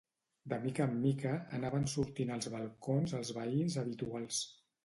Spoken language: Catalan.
De mica en mica, anaven sortint als balcons els veïns habituals.